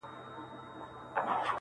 په دې ښار کي په سلگونو یې خپلوان وه!.